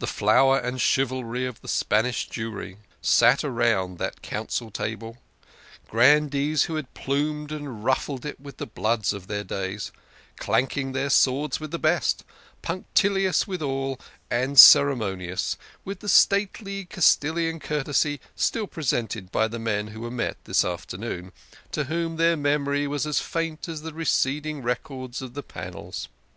The flower and chivalry of the Spanish Jewry had sat round that Council table, grandees who had plumed and ruffled it with the bloods of their day, clanking their swords with the best, punctilious 'THE PRESIDENT OF THE MAHAMAD." 110 THE KING OF SCHNORRERS. ' withal and ceremonious, with the stately Castilian courtesy still preserved by the men who were met this afternoon, to whom their memory was as faint as the fading records of the panels.